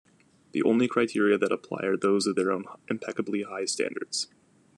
The only criteria that apply are those of their own impeccably high standards.